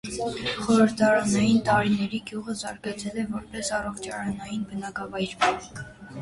Խորհրդային տարիներին գյուղը զարգացել է որպես առողջարանային բնակավայր։